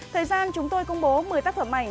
thời gian chúng tôi công bố một mươi tác phẩm ảnh